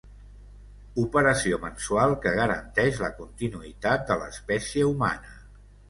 Operació mensual que garanteix la continuïtat de l'espècie humana.